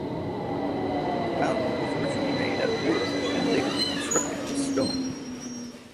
The pound was originally made out of wood and later reconstructed with stone.